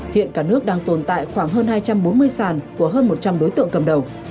hiện cả nước đang tồn tại khoảng hơn hai trăm bốn mươi sàn của hơn một trăm linh đối tượng cầm đầu